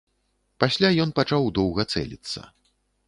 Пасля ён пачаў доўга цэліцца.